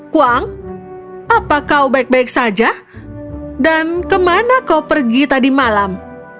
kuang apa kau baik baik saja dan kemana kau pergi tadi malam